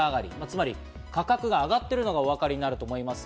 つまり価格が上がっているのがお分かりになると思います。